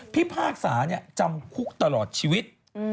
พี่ภาคสานี่จำคุกตลอดชีวิต